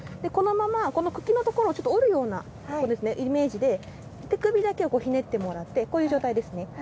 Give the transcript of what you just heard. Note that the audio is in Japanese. このままこの茎のところを折るようなイメージで手首だけをひねってもらってこういう状態ですね。